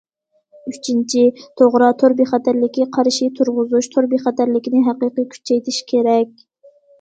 ئۈچىنچى، توغرا تور بىخەتەرلىكى قارىشى تۇرغۇزۇش، تور بىخەتەرلىكىنى ھەقىقىي كۈچەيتىش كېرەك.